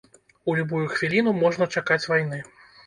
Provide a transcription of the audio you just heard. У любую хвіліну можна чакаць вайны.